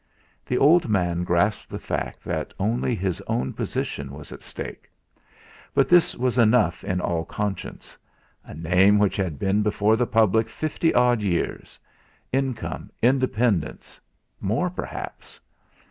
The old man grasped the fact that only his own position was at stake. But this was enough in all conscience; a name which had been before the public fifty odd years income, independence, more perhaps.